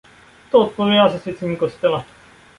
To odpovídá zasvěcení kostela.